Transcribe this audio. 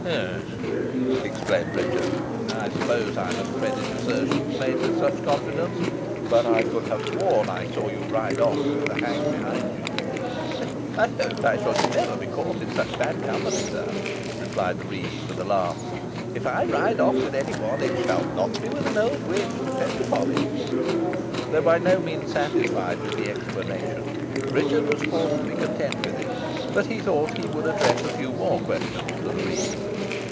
"Humph!" exclaimed Richard, "I suppose I must credit assertions made with such confidence, but I could have sworn I saw you ride off with the hag behind you." "I hope I shall never be caught in such bad company, sir," replied the reeve, with a laugh. "If I ride off with any one, it shall not be with an old witch, depend upon it." Though by no means satisfied with the explanation, Richard was forced to be content with it; but he thought he would address a few more questions to the reeve.